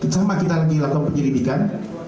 selama kita lagi lakukan penyelidikan